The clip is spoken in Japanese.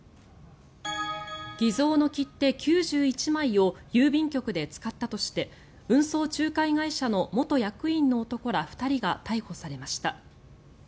偽造の切手９１枚を郵便局で使ったとして運送仲介会社の元役員の男ら２人が逮捕されました。